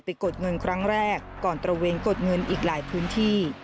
กดเงินครั้งแรกก่อนตระเวนกดเงินอีกหลายพื้นที่